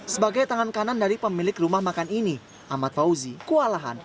sebagai tangan kanan dari pemilik rumah makan ini ahmad fauzi kewalahan